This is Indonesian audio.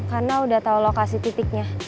karena udah tahu lokasi titiknya